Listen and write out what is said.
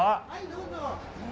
どうぞ。